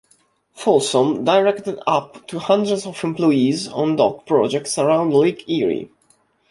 Folsom directed up to hundreds of employees on dock projects around Lake Erie.